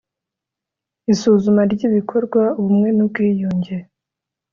isuzuma ry ibikorwa by ubumwe n ubwiyunge